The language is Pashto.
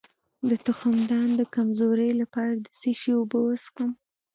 د تخمدان د کمزوری لپاره د څه شي اوبه وڅښم؟